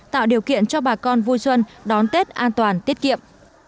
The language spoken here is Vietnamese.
tạo điều kiện cho bà con vui xuân đón tết an toàn tiết kiệm